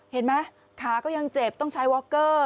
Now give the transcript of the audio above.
เห็นไหมขาก็ยังเจ็บต้องใช้วอคเกอร์